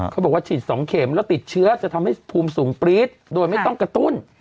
เขาบอกว่าฉีด๒เข็มแล้วติดเชื้อจะทำให้ภูมิสูงปรี๊ดโดยไม่ต้องกระตุ้น